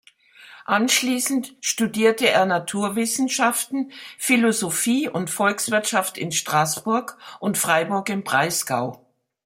Anschließend studierte er Naturwissenschaften, Philosophie und Volkswirtschaft in Straßburg und Freiburg im Breisgau.